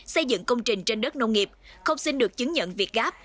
xây dựng công trình trên đất nông nghiệp không xin được chứng nhận việc gáp